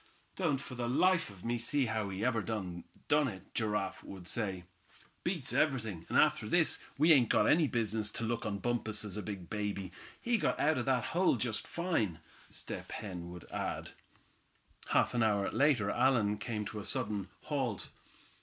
"Don't for the life of me see how he ever done it," Giraffe would say. "Beats everything, and after this we ain't got any business to look on Bumpus as a big baby. He got out of that hole just fine," Step Hen would add. Half an hour later, Allan came to a sudden halt.